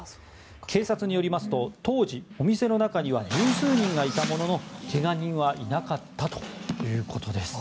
警察によりますと当時、お店の中には１０数人がいたものの怪我人はいなかったということです。